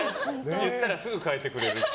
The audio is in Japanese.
言ったらすぐ変えてくれる。